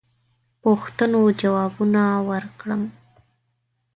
پوښتنو جوابونه ورکړم.